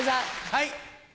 はい。